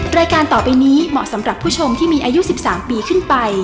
รายการต่อไปนี้เหมาะสำหรับผู้ชมที่มีอายุ๑๓ปีขึ้นไป